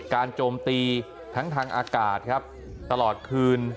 การจมตีทั้งทางอากาศกลับเคยทางตลอดคืน